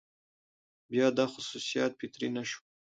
بيا دا خصوصيت فطري نه شو،